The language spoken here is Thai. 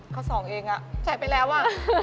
เค้าสองเองกะใช้ไปแล้วอ่ะ